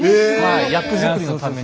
役作りのために。